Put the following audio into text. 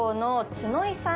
角井さん